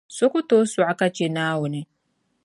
So ku tooi sɔɣi ka che Naawuni.